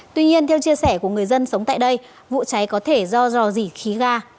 tuy nhiên theo chia sẻ của người dân sống tại đây vụ cháy có thể do dò dỉ khí ga